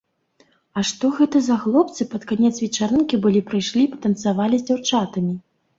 А што гэта за хлопцы пад канец вечарынкі былі прыйшлі і танцавалі з дзяўчатамі?